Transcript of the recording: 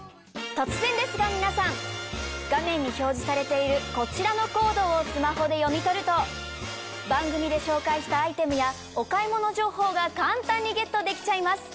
突然ですが皆さん画面に表示されているこちらのコードをスマホで読み取ると番組で紹介したアイテムやお買い物情報が簡単にゲットできちゃいます！